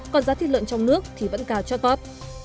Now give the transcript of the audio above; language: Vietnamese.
còn giá thịt lợn trong nước thì vẫn cao cho tốt